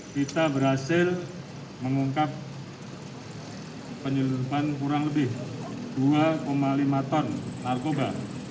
kita berhasil mengungkap penyelundupan kurang lebih dua lima ton narkoba